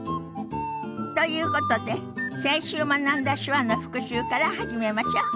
ということで先週学んだ手話の復習から始めましょう。